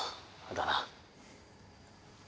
だな。